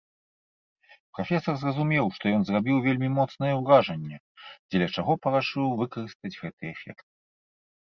Прафесар зразумеў, што ён зрабіў вельмі моцнае ўражанне, дзеля чаго парашыў выкарыстаць гэты эфект.